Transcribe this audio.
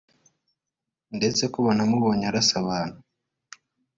ndetse ko banamubonye arasa abantu